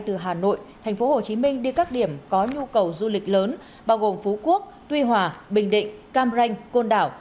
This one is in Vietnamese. từ hà nội tp hcm đi các điểm có nhu cầu du lịch lớn bao gồm phú quốc tuy hòa bình định cam ranh côn đảo